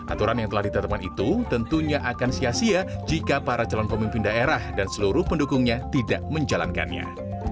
aturan yang telah ditetapkan itu tentunya akan sia sia jika para calon pemimpin daerah dan seluruh pendukungnya tidak menjalankannya